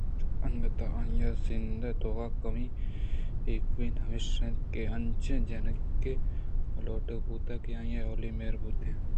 انگتءَ آئی ءِ زند ے توک ءَ کمی ایوک ہمیش اِنت کہ آ انچیں جنکے ءِ لوٹوک بوتگ کہ آئی ءِ اولی مہر بوتیں